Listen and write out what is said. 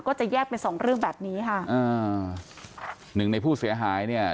ก็จะแยกเป็นสองเรื่องแบบนี้ค่ะอ่าหนึ่งในผู้เสียหายเนี่ย